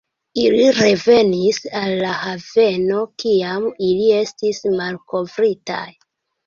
Ili revenis al la haveno kiam ili estis malkovritaj.